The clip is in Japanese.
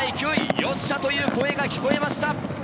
よっしゃ！という声が聞こえました。